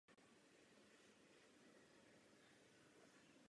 Zde byla zvířata lovci držena jako živá zásoba masa.